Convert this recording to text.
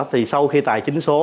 thì sau khi tài chính số